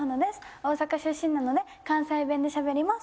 大阪出身なので関西弁でしゃべります。